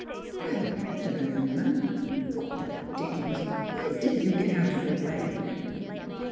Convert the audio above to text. " Well !" said the young man. " What in the dickens! Why didn't you get out of the way?